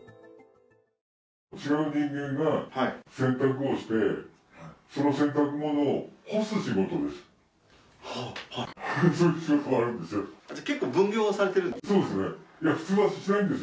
違う人間が洗濯をして、その洗濯物を干す仕事です。